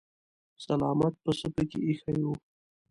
سلامت پسه پکې ايښی و.